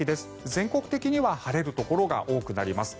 全国的には晴れるところが多くなります。